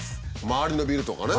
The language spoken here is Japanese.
周りのビルとかね。